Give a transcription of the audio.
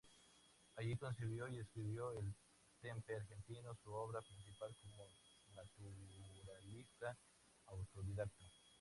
Allí concibió y escribió "El Tempe Argentino" su obra principal como naturalista autodidacta.